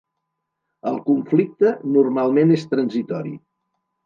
El conflicte normalment és transitori.